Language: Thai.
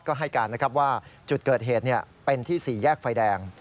ก็ให้การนะครับว่าจุดเกิดเหตุเป็นที่๔แยกไฟแดง